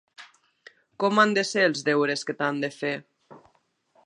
Com han de ser els deures que t'han de fer?